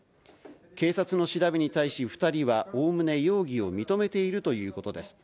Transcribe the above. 警察の調べに対し２人はおおむね容疑を認めているということです。